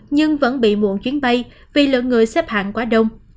nhưng vẫn bị muộn chuyến bay vì lượng người xếp hàng quá đông